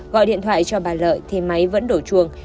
gọi điện thoại cho bà lợi thì máy vẫn đổ chuồng